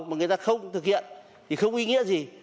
mà người ta không thực hiện thì không ý nghĩa gì